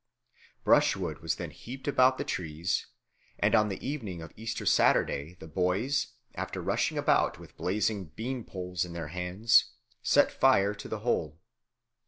Brush wood was then heaped about the trees, and on the evening of Easter Saturday the boys, after rushing about with blazing bean poles in their hands, set fire to the whole.